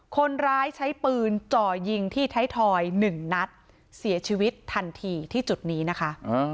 คนร้ายใช้ปืนจ่อยิงที่ไทยทอยหนึ่งนัดเสียชีวิตทันทีที่จุดนี้นะคะ